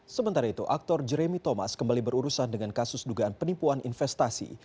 sementara itu aktor jeremy thomas kembali berurusan dengan kasus dugaan penipuan investasi